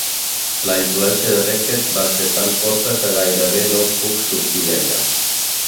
La influència de Beckett va ser tan forta que gairebé no puc sortir d'ella.